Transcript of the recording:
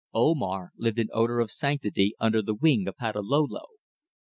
Omar lived in odour of sanctity under the wing of Patalolo.